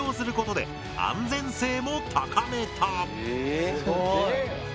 すごい！